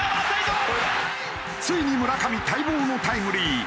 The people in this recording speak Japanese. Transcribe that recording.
ついに村上待望のタイムリー。